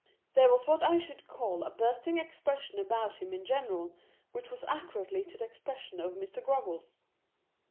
There was what I should call a bursting expression about him ia gen eral, which was accurately the expression of Mr. Groggles.